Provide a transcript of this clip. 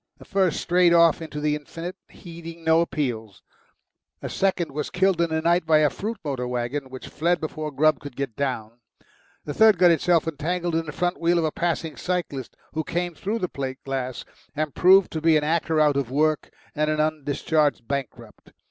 The first strayed off into the infinite, heeding no appeals; the second was killed in the night by a fruit motor waggon which fled before Grubb could get down; the third got itself entangled in the front wheel of a passing cyclist, who came through the plate glass, and proved to be an actor out of work and an undischarged bankrupt.